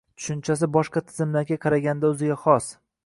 tushunchasi boshqa tizimlarga qaraganda o‘ziga xos